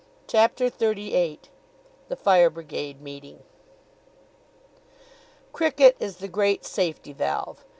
CHAPTER XXXVIII THE FIRE BRIGADE MEETING Cricket is the great safety valve.